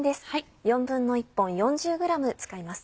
１／４本４０ｇ使います。